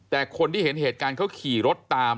แต่คนที่เห็นเหตุการณ์เขาขี่รถตาม